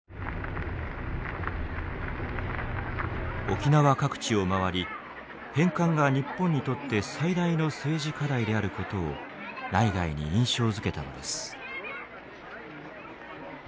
沖縄各地を回り返還が日本にとって最大の政治課題であることを内外に印象づけたのです。